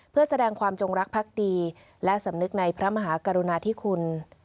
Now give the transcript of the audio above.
เพื่อแสดงความจงรักพักดีและสำนึกในพระมหากรุณาธิคุณ